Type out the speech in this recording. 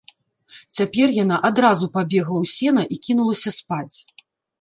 Цяпер яна адразу пабегла ў сена і кінулася спаць.